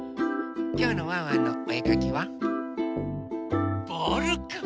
きょうの「ワンワンのおえかき」はボールくん。